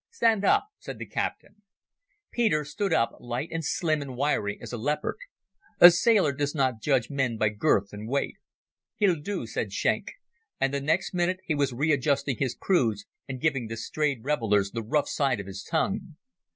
"Stand up," said the Captain. Peter stood up, light and slim and wiry as a leopard. A sailor does not judge men by girth and weight. "He'll do," said Schenk, and the next minute he was readjusting his crews and giving the strayed revellers the rough side of his tongue.